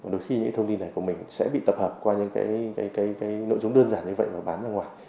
đôi khi những thông tin này của mình sẽ bị tập hợp qua những cái nội dung đơn giản như vậy mà bán ra ngoài